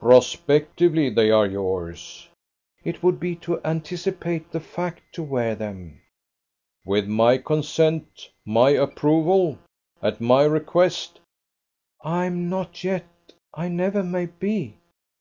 "Prospectively they are yours." "It would be to anticipate the fact to wear them." "With my consent, my approval? at my request?" "I am not yet ... I never may be ..."